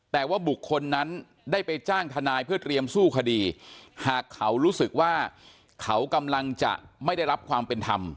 แต่ว่าบุคคลนั้นได้ไปจ้างทนายเพื่อเตรียมสู้คดีหากเขารู้สึกว่าเขากำลังจะไม่ได้รับความเป็นธรรม